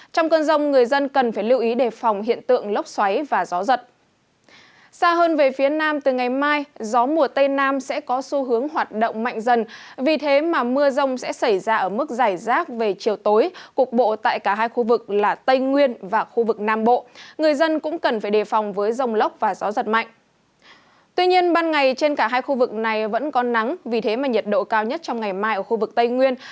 tuy nhiên ban ngày trên cả hai khu vực này vẫn có nắng vì thế mà nhiệt độ cao nhất trong ngày mai ở khu vực tây nguyên